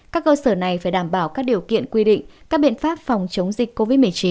các cơ sở này phải đảm bảo các điều kiện quy định các biện pháp phòng chống dịch covid một mươi chín